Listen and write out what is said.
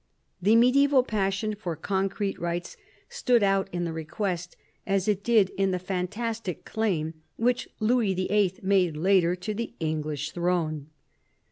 The medieval passion for concrete rights stood out in the request, as it — did in the fantastic claim which Louis VIII. made later to the English throne.